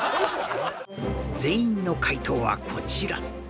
全員の解答はこちら